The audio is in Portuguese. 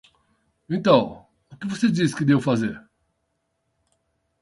Então, o que você diz que devo fazer?